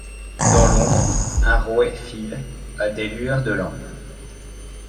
Dans l’ombre un rouet file ; à des lueurs de lampe